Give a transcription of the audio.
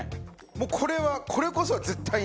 もうこれはこれこそは絶対に。